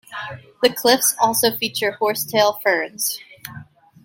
The cliffs also feature Horsetails ferns.